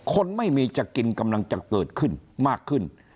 คนไม่มีจะกินกำลังจะเกิดขึ้นมากขึ้น